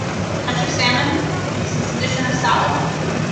A touch of salmon? With a suspicion of salad?